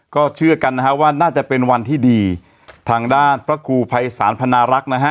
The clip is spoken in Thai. ก็เชื่อกันนะฮะว่าน่าจะเป็นวันที่ดีทางด้านพระครูภัยศาลพนารักษ์นะฮะ